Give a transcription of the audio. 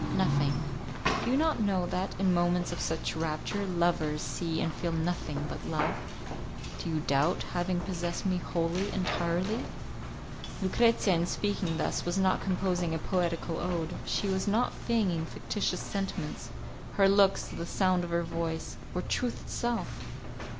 "Nothing. Do you not know that, in moments of such rapture, lovers see and feel nothing but love? Do you doubt having possessed me wholly, entirely?" Lucrezia, in speaking thus, was not composing a poetical ode; she was not feigning fictitious sentiments; her looks, the sound of her voice, were truth itself!